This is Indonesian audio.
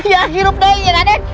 ya hidup lagi raden